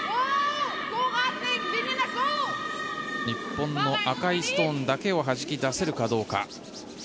日本の赤いストーンだけをはじき出せるかどうか。